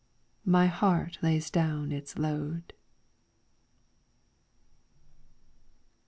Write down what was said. My heart lays down its load.